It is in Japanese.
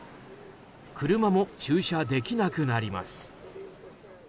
車も駐車できなくなります。